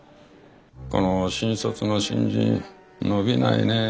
この新卒の新人伸びないね。